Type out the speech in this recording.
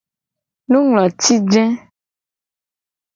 Nungloti je.